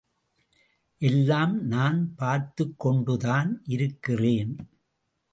எல்லாம் நான் பார்த்துக்கொண்டுதான் இருக்கிறேன்.